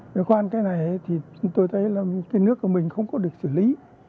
cái khoan cái này thì tôi thấy là cái nước của mình không có được xử lý